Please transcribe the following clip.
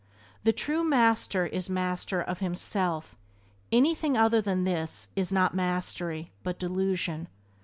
The true Master is master of himself; anything other than this is not mastery but delusion.